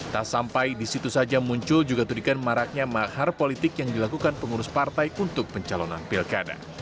tak sampai di situ saja muncul juga tudikan maraknya mahar politik yang dilakukan pengurus partai untuk pencalonan pilkada